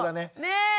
ねえ。